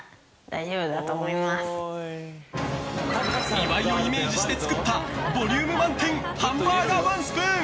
岩井をイメージして作ったボリューム満点ハンバーガーワンスプーン。